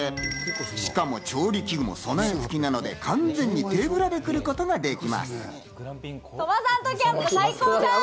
しかも調理器具も備えつきなので、完全に手ぶらで来ることができます。